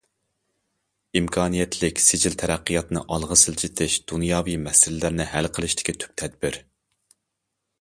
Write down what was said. ئىمكانىيەتلىك سىجىل تەرەققىياتنى ئالغا سىلجىتىش دۇنياۋى مەسىلىلەرنى ھەل قىلىشتىكى تۈپ تەدبىر.